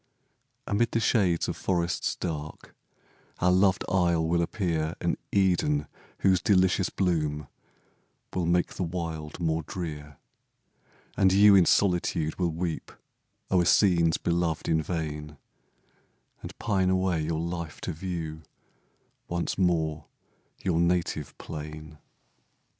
Amid the shades of forests dark, Our loved isle will appear An Eden, whose delicious bloom Will make the wild more drear. And you in solitude will weep O'er scenes beloved in vain, And pine away your life to view Once more your native plain.